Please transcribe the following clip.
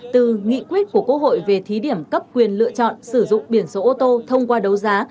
từ nghị quyết của quốc hội về thí điểm cấp quyền lựa chọn sử dụng biển số ô tô thông qua đấu giá